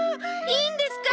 いいんですか？